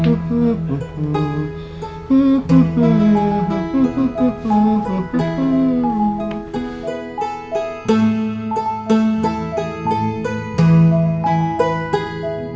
mama nggak jadi pulang